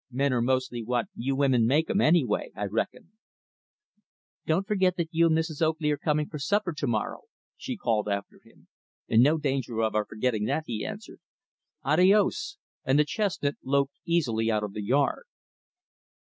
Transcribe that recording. Men are mostly what you women make 'em, anyway, I reckon." "Don't forget that you and Mrs. Oakley are coming for supper to morrow," she called after him. "No danger of our forgetting that," he answered. "Adios!" And the chestnut loped easily out of the yard.